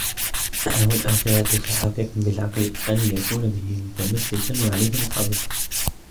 وَالْآخِرَةِ فَحَقِيقٌ بِالْعَقْلِ أَنْ يَكُونَ بِهِ مُتَمَسِّكًا وَعَلَيْهِ مُحَافِظًا